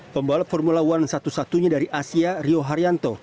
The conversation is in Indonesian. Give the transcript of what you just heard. pembalap formula one satu satunya dari asia rio haryanto